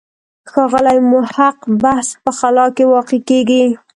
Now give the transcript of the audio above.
ښاغلي محق بحث په خلا کې واقع کېږي.